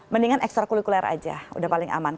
mendingan ekstra kulikuler aja udah paling aman